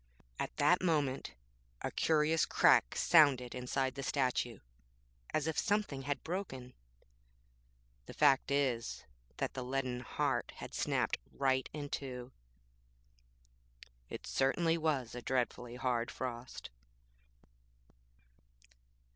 At that moment a curious crack sounded inside the statue, as if something had broken. The fact is that the leaden heart had snapped right in two. It certainly was a dreadfully hard frost.